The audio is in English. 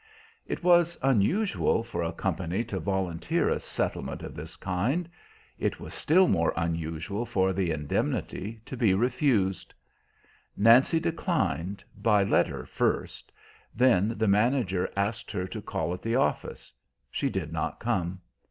It was unusual for a company to volunteer a settlement of this kind; it was still more unusual for the indemnity to be refused. Nancy declined, by letter, first; then the manager asked her to call at the office. She did not come.